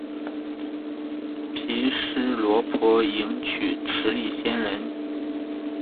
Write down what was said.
毗尸罗婆迎娶持力仙人。